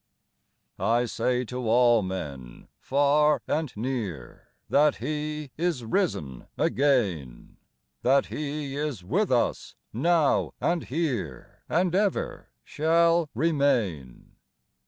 I say to all men, far and near, That He is risen again : That He is with us now and here, And ever shall remain.